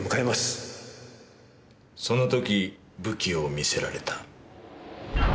その時武器を見せられた？